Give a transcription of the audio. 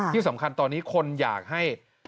ที่สำคัญตอนนี้คนอยากให้